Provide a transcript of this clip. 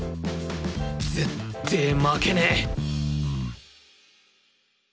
ぜって負けねぇ！